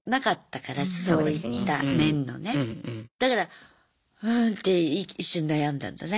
だからうんって一瞬悩んだんだね。